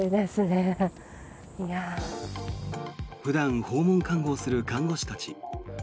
普段、訪問看護をする看護師たち。